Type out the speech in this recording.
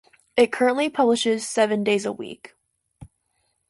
It currently publishes seven days a week.